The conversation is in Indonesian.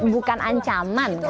bukan ancaman kan